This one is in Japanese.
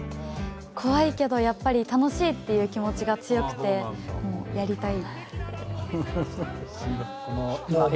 怖いけど、やっぱり楽しいっていう気持ちが強くて、やりたい。